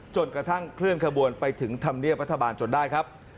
จนกระทั่งเคลื่อนขบวนไปถึงธรรมเนียบรัฐบาลจนได้ครับ